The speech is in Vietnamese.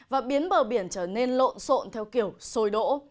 và biến bờ biển trở nên lộn xộn theo kiểu sôi đỗ